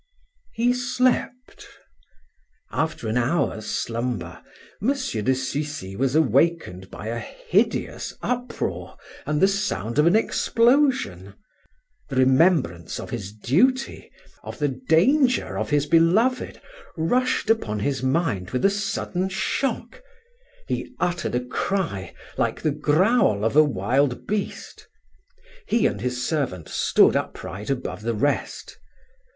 He slept. After an hour's slumber M. de Sucy was awakened by a hideous uproar and the sound of an explosion. The remembrance of his duty, of the danger of his beloved, rushed upon his mind with a sudden shock. He uttered a cry like the growl of a wild beast. He and his servant stood upright above the rest.